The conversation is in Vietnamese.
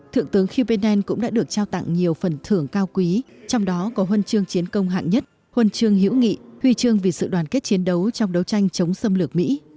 thượng tướng kupinen cũng đã được trao tặng nhiều phần thưởng cao quý trong đó có huân chương chiến công hạng nhất huân chương hữu nghị huy chương vì sự đoàn kết chiến đấu trong đấu tranh chống xâm lược mỹ